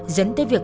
dẫn tới việc